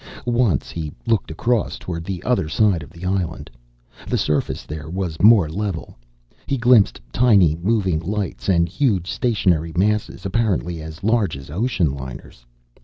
Once he looked across toward the other side of the island. The surface there was more level. He glimpsed tiny moving lights, and huge stationary masses, apparently as large as ocean liners.